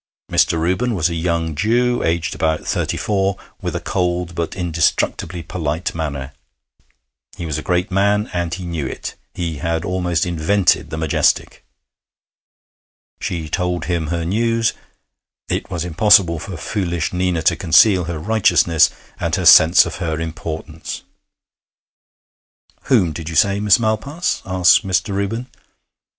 Mr. Reuben was a young Jew, aged about thirty four, with a cold but indestructibly polite manner. He was a great man, and knew it; he had almost invented the Majestic. She told him her news; it was impossible for foolish Nina to conceal her righteousness and her sense of her importance. 'Whom did you say, Miss Malpas?' asked Mr. Reuben.